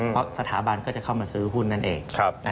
เพราะสถาบันก็จะเข้ามาซื้อหุ้นนั่นเอง